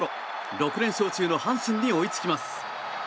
６連勝中の阪神に追いつきます。